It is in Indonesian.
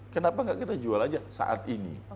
kenapa nggak kita jual aja saat ini